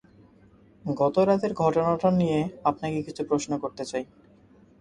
গত রাতের ঘটনাটা নিয়ে আপনাকে কিছু প্রশ্ন করতে চাই।